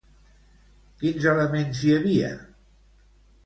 Quins elements hi havia?